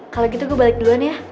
kalau gitu gue balik duluan ya